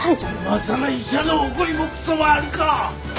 今さら医者の誇りもクソもあるか！